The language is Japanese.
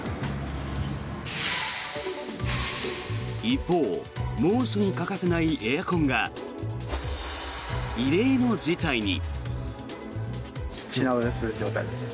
一方猛暑に欠かせないエアコンが異例の事態に。